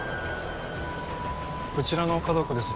こちらの家族です。